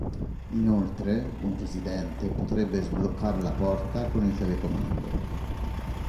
Inoltre, un residente potrebbe sbloccare la porta con il telecomando.